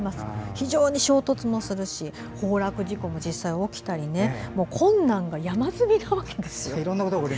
非常に衝突もするし崩落事故も実際に起きたり困難が山積みなわけです。